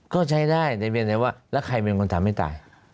ก็ใช้ได้แต่เพียงแต่ว่าแล้วใครเป็นคนทำให้ตาย